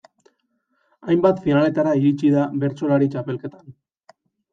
Hainbat finaletara iritsi da bertsolari txapelketetan.